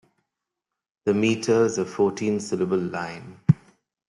The metre is a fourteen-syllable line.